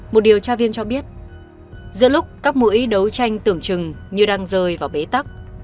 một điều tra viên cho biết giữa lúc các mũi đấu tranh tưởng chừng như đang rơi vào bế tắc